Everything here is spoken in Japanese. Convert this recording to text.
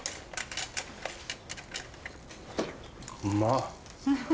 うまっ。